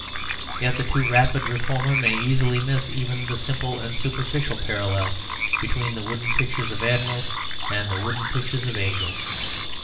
Yet the too rapid reformer may easily miss even the simple and superficial parallel between the wooden pictures of admirals and the wooden pictures of angels.